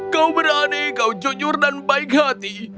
kau berani kau jujur dan baik hati